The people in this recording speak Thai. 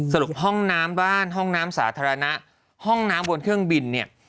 ห้องน้ำบ้านห้องน้ำสาธารณะห้องน้ำบนเครื่องบินเนี่ย